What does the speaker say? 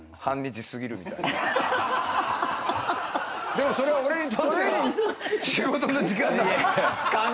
でもそれは俺にとっては仕事の時間だから。